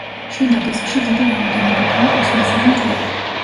შიდა დისკში დიდი რაოდენობითაა კოსმოსური მტვერი.